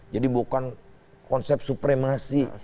jadi bukan konsep supremasi